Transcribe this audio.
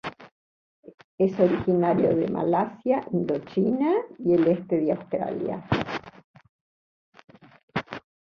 Es originario de Malasia, Indochina y el este de Australia.